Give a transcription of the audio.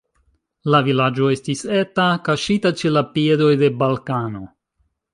La vilaĝo estis eta, kaŝita ĉe la piedoj de Balkano.